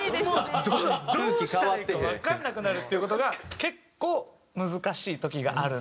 どうしたらいいかわからなくなるっていう事が結構難しい時があるな。